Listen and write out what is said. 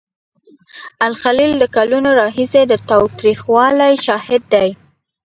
الخلیل د کلونو راهیسې د تاوتریخوالي شاهد دی.